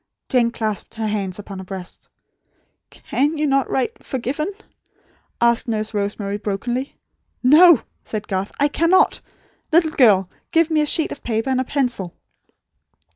Jane clasped her hands upon her breast. "CAN you not write 'forgiven'?" asked Nurse Rosemary, brokenly. "No," said Garth. "I cannot. Little girl, give me a sheet of paper, and a pencil."